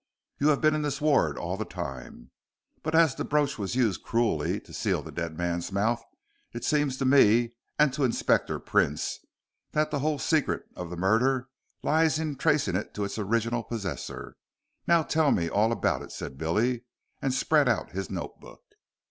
You have been in this ward all the time. But as the brooch was used cruelly to seal the dead man's mouth, it seems to me, and to Inspector Prince, that the whole secret of the murder lies in tracing it to its original possessor. Now tell me all about it," said Billy, and spread out his note book.